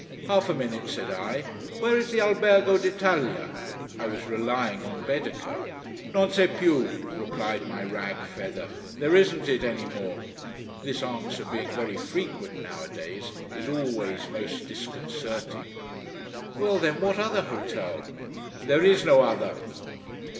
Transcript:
"Half a minute," said I. "Where is the Albergo d'Italia?" I was relying on Baedeker. "Non c'è più," replied my rag feather. "There isn't it any more." This answer, being very frequent nowadays, is always most disconcerting. "Well then, what other hotel?" "There is no other."